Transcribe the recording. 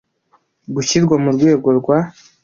gushyirwa mu rwego rwa